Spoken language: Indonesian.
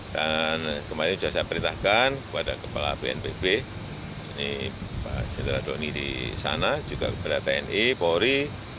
dan kemarin sudah saya perintahkan kepada kepala bnpb ini pak jendral doni di sana juga kepada tni polri